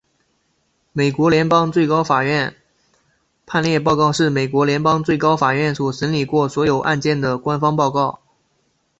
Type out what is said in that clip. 美国联邦最高法院判例报告是美国联邦最高法院所审理过所有案件的官方报告。